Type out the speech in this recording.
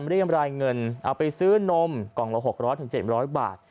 ไม่ได้เงมาจ์เงินเอาไปซื้อนมกล่องละหกรอบถึงเจ็บห้อยบาท